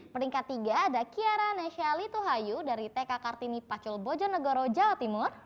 peringkat tiga ada kiara nesha lituhayu dari tk kartini pacul bojonegoro jawa timur